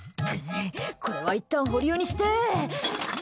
これはいったん、保留にして。